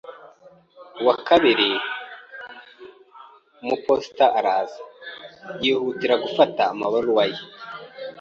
Uwa kabiri umuposita araza, yihutira gufata amabaruwa ye.